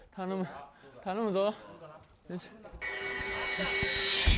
頼むぞ。